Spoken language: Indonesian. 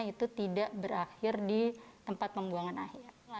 itu tidak berakhir di tempat pembuangan akhir